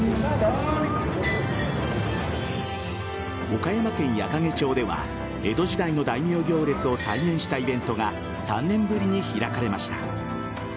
岡山県矢掛町では江戸時代の大名行列を再現したイベントが３年ぶりに開かれました。